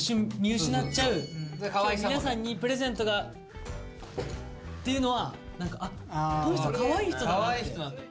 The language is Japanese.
「皆さんにプレゼントが」っていうのは何か「この人かわいい人だな」って。